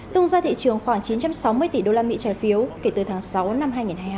tung ra thị trường khoảng chín trăm sáu mươi tỷ đô la mỹ trả phiếu kể từ tháng sáu năm hai nghìn hai mươi hai